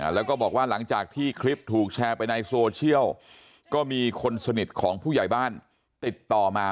แล้วก็บอกว่าหลังจากที่คลิปถูกแชร์ไปในโซเชียลก็มีคนสนิทของผู้ใหญ่บ้านติดต่อมา